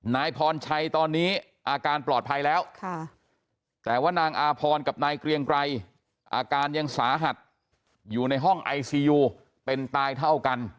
นายพรชัยตอนนี้อาการปลอดภัยแล้วแต่ว่านางอาพรกับนายเกรียงไกรอาการยังสาหัสอยู่ในห้องไอซียูเป็นตายเท่ากัน